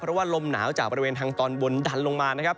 เพราะว่าลมหนาวจากบริเวณทางตอนบนดันลงมานะครับ